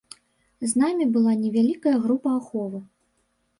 З намі была невялікая група аховы.